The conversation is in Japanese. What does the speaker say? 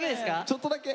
ちょっとだけ。